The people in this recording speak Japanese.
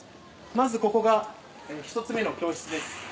まずここが１つ目の教室です。